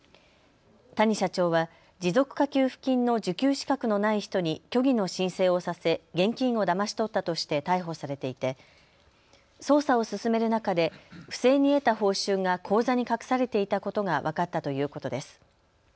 谷社長は持続化給付金の受給資格のない人に虚偽の申請をさせ現金をだまし取ったとして逮捕されていて捜査を進める中で不正に得た報酬が口座に隠されていたことが分かったということです。